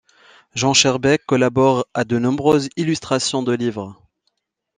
Jean Scherbeck collabore à de nombreuses illustrations de livres.